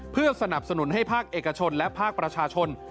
เพื่อสนับสนุนให้ภาคเอกชนและภาคประชาชน